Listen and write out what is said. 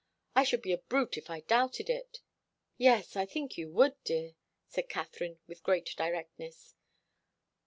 I should be a brute if I doubted it " "Yes I think you would, dear," said Katharine, with great directness.